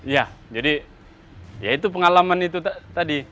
ya jadi ya itu pengalaman itu tadi